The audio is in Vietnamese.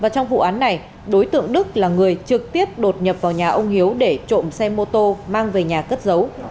trong vụ án này đối tượng đức là người trực tiếp đột nhập vào nhà ông hiếu để trộm xe mô tô mang về nhà cất giấu